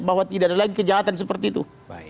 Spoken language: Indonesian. bahwa tidak ada lagi kejahatan seperti itu